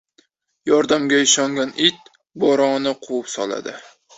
• Yordamga ishongan it bo‘rini quvib soladi.